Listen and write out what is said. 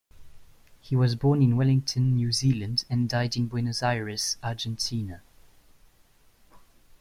He was born in Wellington, New Zealand and died in Buenos Aires, Argentina.